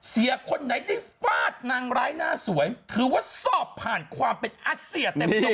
เสียคนไหนได้ฟาดนางร้ายหน้าสวยถือว่าสอบผ่านความเป็นอัสเสียเต็มตัว